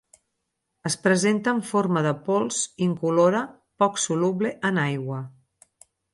Es presenta en forma de pols incolora poc soluble en aigua.